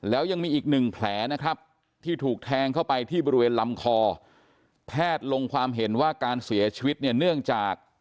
แล้วยังมีอีกหนึ่งแผลนะครับที่ถูกแทงเข้าไปที่บริเวณลำคอแพทย์ลงความเห็นว่าการเสียชีวิตเนี่ยเนื่องจาก